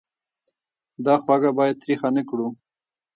دا خوږه باید تریخه نه کړو.